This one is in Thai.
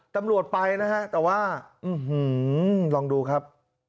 ตำรวจไปนะฮะแต่ว่าอื้อหือลองดูครับ